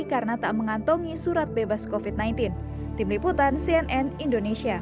karena tak mengantongi surat bebas covid sembilan belas